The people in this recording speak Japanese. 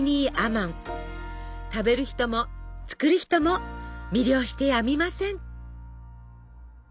食べる人も作る人も魅了してやみません。